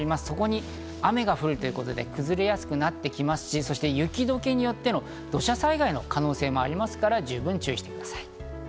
そこに雨が降るということで崩れやすくなってきますし、雪解けによって土砂災害の可能性もあるので十分注意してください。